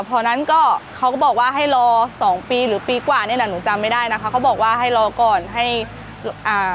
พอนั้นก็เขาก็บอกว่าให้รอสองปีหรือปีกว่านี่แหละหนูจำไม่ได้นะคะเขาบอกว่าให้รอก่อนให้อ่า